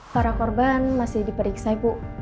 para korban masih diperiksa ibu